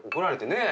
ねえ。